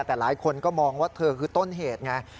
แต่หลายคนก็มองว่าเธอคือต้นเหตุไง